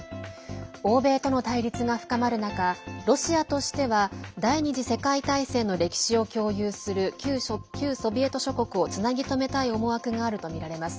欧米との対立が深まる中ロシアとしては第２次世界大戦の歴史を共有する旧ソビエト諸国をつなぎ止めたい思惑があるとみられます。